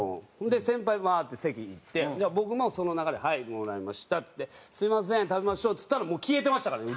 で先輩わーって席行って僕もその流れではいもらいましたっていって「すみません食べましょう」って言ったらもう消えてましたからね